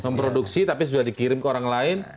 memproduksi tapi sudah dikirim ke orang lain